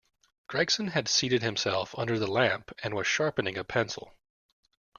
Gregson had seated himself under the lamp and was sharpening a pencil.